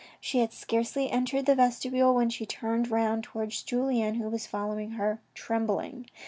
She had scarcely entered the vestibule when she turned round towards Julien, who was following her trembling.